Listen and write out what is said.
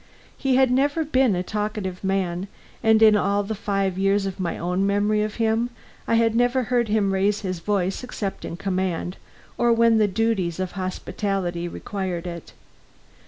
He had never been a talkative man, and in all the five years of my own memory of him, I had never heard him raise his voice except in command, or when the duties of hospitality required it.